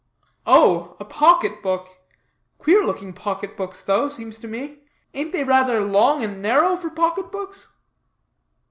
"Oh, a pocket book. Queer looking pocket books though, seems to me. Ain't they rather long and narrow for pocket books?"